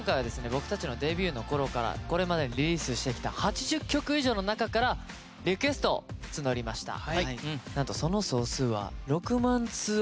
僕たちのデビューの頃からこれまでにリリースしてきた８０曲以上の中からリクエストを募りました。